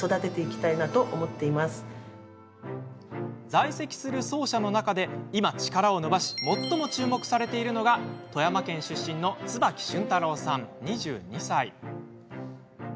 在籍する奏者の中で今、力を伸ばし最も注目されているのが富山県出身の椿俊太郎さん、２２歳。